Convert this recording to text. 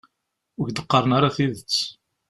Ur k-d-qqaren ara tidet.